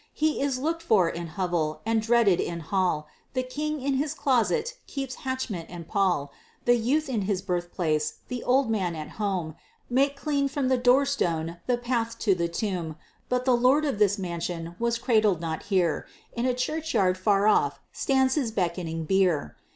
He is look'd for in hovel, and dreaded in hall The king in his closet keeps hatchment and pall The youth in his birthplace, the old man at home, Make clean from the door stone the path to the tomb; But the lord of this mansion was cradled not here In a churchyard far off stands his beckoning bier!